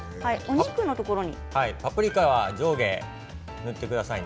パプリカは上下塗ってくださいね。